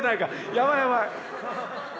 やばいやばい！